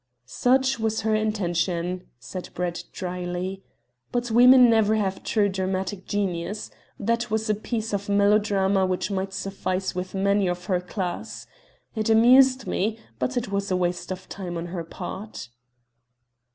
"Such was her intention," said Brett, dryly. "But women never have true dramatic genius. That was a piece of melodrama which might suffice with many of her class. It amused me, but it was a waste of time on her part."